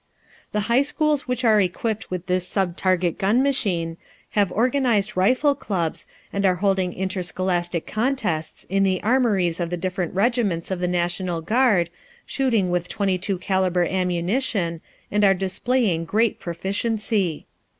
The high schools which are equipped with this subtarget gun machine have organized rifle clubs, and are holding interscholastic contests in the armories of the different regiments of the National Guard, shooting with .22 caliber ammunition, and are displaying great proficiency.